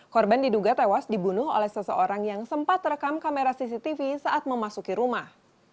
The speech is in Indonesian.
korban diduga tewas dibunuh oleh seseorang yang sempat terekam kamera cctv saat memasuki rumah